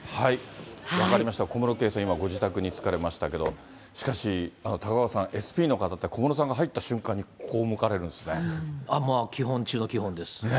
分かりました、小室圭さん、今、ご自宅に着かれましたけれども、しかし、高岡さん、ＳＰの方って、小室さんが入った瞬間に、まあ、基本中の基本です。